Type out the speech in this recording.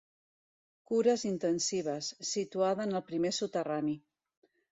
Cures Intensives, situada en el primer soterrani.